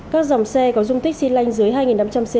các dòng xe có dung tích xy lanh dưới hai năm trăm linh c